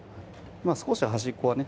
少し端っこはね